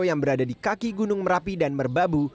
yang berada di kaki gunung merapi dan merbabu